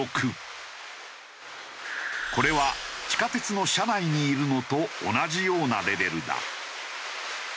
これは地下鉄の車内にいるのと同じようなレベルだ。